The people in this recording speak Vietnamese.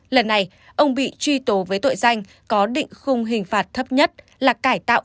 lần này ông bị truy tố với tội danh có định khung hình phạt thấp nhất là cải tạo